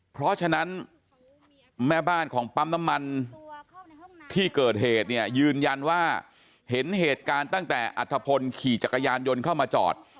เพราะฉะนั้นแม่บ้านของปั๊มน้ำมันที่เกิดเหตุเนี่ยยืนยันว่าเห็นเหตุการณ์ตั้งแต่อัธพลขี่จักรยานยนต์เข้ามาจอด